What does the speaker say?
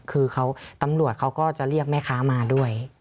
คือตำรวจเขาก็จะเรียกแม่ค้ามาด้วย